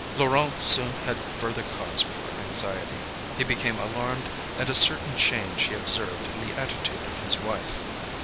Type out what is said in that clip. Laurent soon had further cause for anxiety. He became alarmed at a certain change he observed in the attitude of his wife.